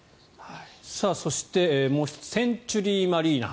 そして、もう１つセンチュリーマリーナ